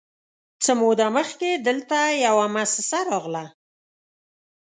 _څه موده مخکې دلته يوه موسسه راغله،